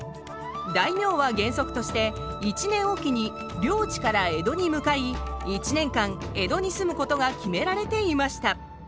大名は原則として１年おきに領地から江戸に向かい１年間江戸に住むことが決められていました。